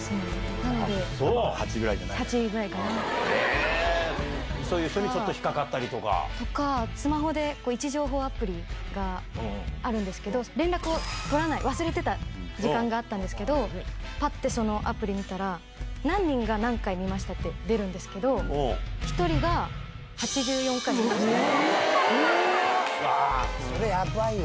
なので、そういう人にちょっと引っ掛とか、スマホで位置情報アプリがあるんですけど、連絡を取らない、忘れてた時間があったんですけど、ぱってそのアプリ見たら、何人が何回見ましたって出るんですけど、それ、やばいわ。